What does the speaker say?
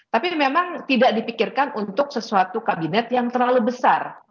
tapi memang tidak dipikirkan untuk sesuatu kabinet yang terlalu besar